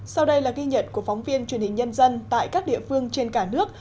sau đây là ghi nhận của phóng viên truyền hình nhân dân tại các địa phương trên cả nước